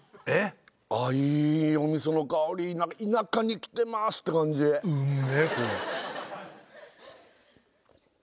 あいいお味噌の香り田舎に来てますって感じうめ